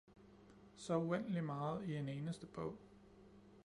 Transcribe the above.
Så uendelig meget i en eneste bog